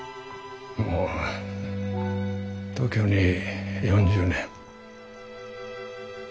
もう東京に４０年。